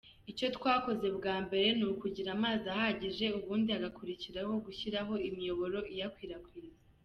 Icyo twakoze bwa mbere ni ukugira amazi ahagije, ubundi hagakurikiraho gushyiraho imiyoboro iyakwirakwiza.